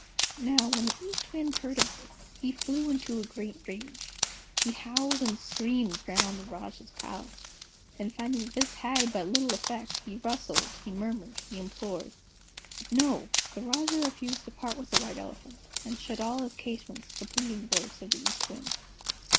"Now, when the East Wind heard of this, he flew into a great rage. He howled and screamed round the Rajah's Palace, and finding that this had but little effect, he rustled, he murmured, he implored. But no! The Rajah refused to part with the White Elephant, and shut all his casements to the pleading voice of the East Wind."